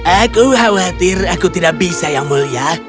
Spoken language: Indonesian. aku khawatir aku tidak bisa yang mulia